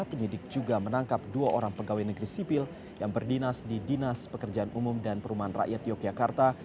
penyidik juga menangkap dua orang pegawai negeri sipil yang berdinas di dinas pekerjaan umum dan perumahan rakyat yogyakarta